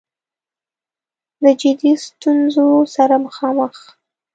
د جدي ستونځو سره مخامخ